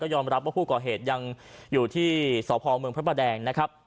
ยอมรับว่าผู้ก่อเหตุยังอยู่ที่สพเมืองพระประแดงนะครับ